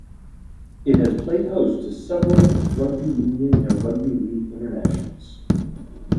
It has played host to several rugby union and rugby league internationals.